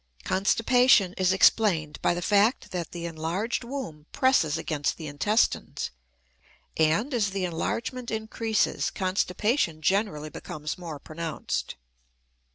Constipation is explained by the fact that the enlarged womb presses against the intestines; and, as the enlargement increases, constipation generally becomes more pronounced.